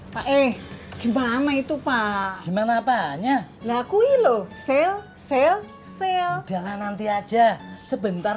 pak eh gimana itu pak gimana pak lakuin loh sel sel sel jangan nanti aja sebentar